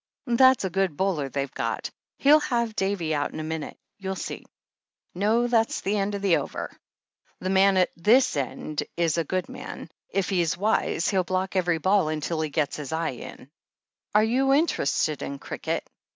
"That's a good bowler they've got — she'll have Davy out in a minute, you'll see. ... No, that's the end of the over ... the man at this end is a good man — if he's wise he'll block every ball tmtil he gets his eye in. ... Are you interested in cricket